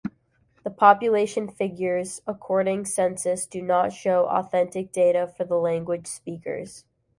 The population figures according census do not show authentic data for the language speakers.